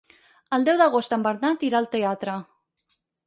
El deu d'agost en Bernat irà al teatre.